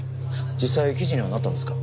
実際記事にはなったんですか？